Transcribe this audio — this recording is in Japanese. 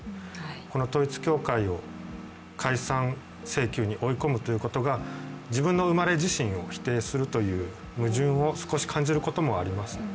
この統一教会を解散請求に追い込むということが自分の生まれ自身を否定するという矛盾を少し感じることもあります。